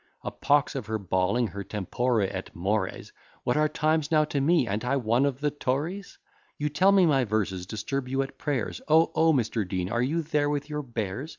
A pox of her bawling, her tempora et mores! What are times now to me; a'nt I one of the Tories? You tell me my verses disturb you at prayers; Oh, oh, Mr. Dean, are you there with your bears?